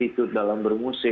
itu dalam bermusik